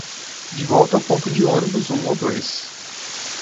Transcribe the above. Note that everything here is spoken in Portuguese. De volta ao ponto de ônibus um ou dois